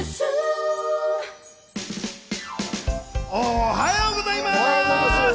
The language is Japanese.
おはようございます！